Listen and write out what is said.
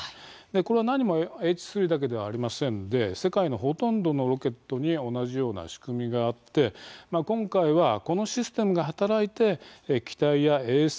これは何もＨ３だけではありませんで世界のほとんどのロケットに同じような仕組みがあって今回は、このシステムが働いて機体や衛星